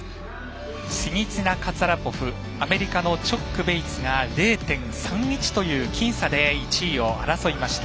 シニツィナ、カツァラポフアメリカのチョック、ベイツが０．３１という僅差で１位を争いました。